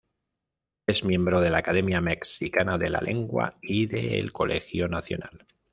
Es miembro de la Academia Mexicana de la Lengua y de El Colegio Nacional.